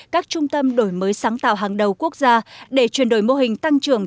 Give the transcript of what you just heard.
các trung tâm đổi mới sáng tạo hàng đầu quốc gia để chuyển đổi mô hình tăng trưởng